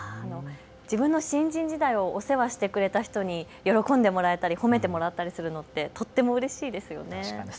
自分の新人時代をお世話してくれた人に喜んでもらえたり褒めてもらったりするのって、とってもうれしいですよね。